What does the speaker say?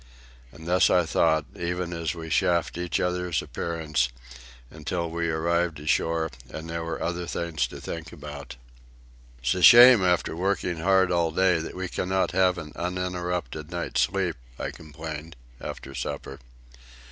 And thus I thought, even as we chaffed each other's appearance, until we arrived ashore and there were other things to think about. "It's a shame, after working hard all day, that we cannot have an uninterrupted night's sleep," I complained, after supper.